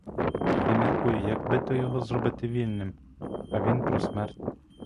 Я міркую, як би то його зробити вільним, а він про смерть!